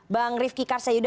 bang rifki karsa yuda